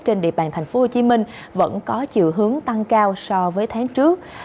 trên địa bàn thành phố hồ chí minh vẫn có chiều hướng tăng cao so với tháng trước